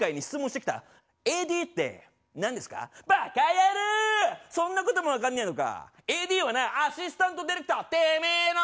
続いてそんなことも分かんねえのか！